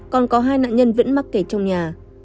còn có hai nạn nhân vẫn mắc kẹt trong nhà